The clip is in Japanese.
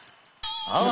ああ。